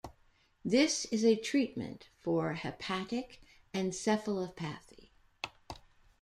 This is a treatment for hepatic encephalopathy.